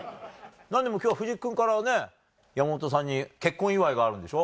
何でも今日は藤木君からね山本さんに結婚祝いがあるんでしょ？